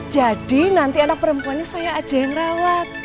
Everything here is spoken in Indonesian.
jadi nanti anak perempuannya saya aja yang rawat